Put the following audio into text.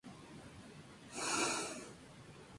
Anteriormente se incluía dentro de Gekkonidae.